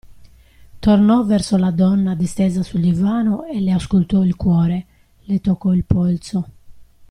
Tornò verso la donna distesa sul divano e le auscultò il cuore, le toccò il polso.